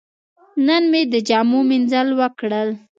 نن مې د جامو مینځل وکړل.